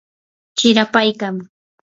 chirapaykan.